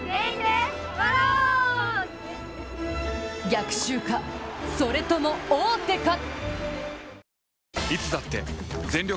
逆襲か、それとも王手か！